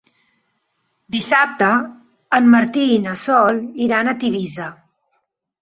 Dissabte en Martí i na Sol iran a Tivissa.